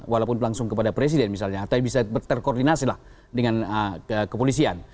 walaupun langsung kepada presiden misalnya tapi bisa terkoordinasilah dengan kepolisian